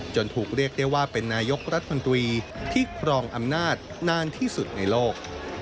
ถูกเรียกได้ว่าเป็นนายกรัฐมนตรีที่ครองอำนาจนานที่สุดในโลก